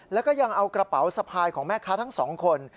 แล้วก็ยังเอากระเป๋าสะพายของแม่ค้าทั้งสองคน